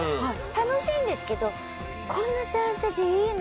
楽しいんですけど「こんな幸せでいいの？」